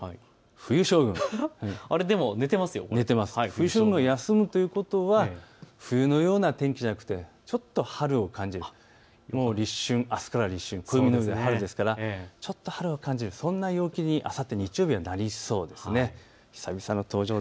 冬将軍が休むということは冬のような天気じゃなくてちょっと春を感じる、もう立春、暦の上では春ですからちょっと春を感じる、そんな陽気にあさって日曜日、なりそうです。